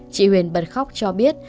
chị huyền bật khóc cho biết